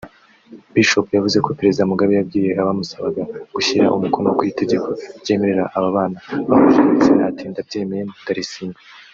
Bishop yavuze ko ‘Perezida Mugabe yabwiye abamusabaga gushyira umukono kwitegeko ryemerera ababana bahuje ibitsina ati “Ndabyemeye ndarisinya